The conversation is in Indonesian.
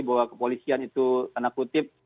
bahwa kepolisian itu tanda kutip